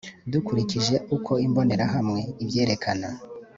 dukurikije uko imbonerahamwe ibyerekana